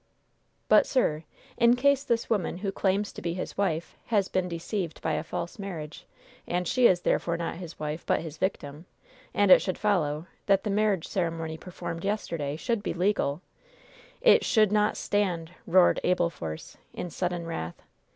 "But, sir, in case this woman who claims to be his wife has been deceived by a false marriage, and she is therefore not his wife, but his victim, and it should follow that the marriage ceremony performed yesterday should be legal " "It should not stand!" roared Abel Force, in sudden wrath.